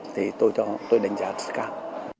thì tôi đánh giá rất cao